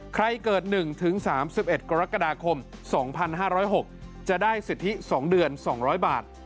เกิด๑๓๑กรกฎาคม๒๕๐๖จะได้สิทธิ๒เดือน๒๐๐บาท